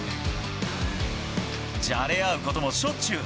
じゃれ合うこともしょっちゅう。